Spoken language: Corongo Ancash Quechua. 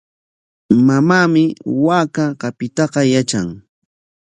Mamaami waaka qapiytaqa yatran.